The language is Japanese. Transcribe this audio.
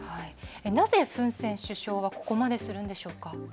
なぜフン・セン首相はここまでするんでしょうか。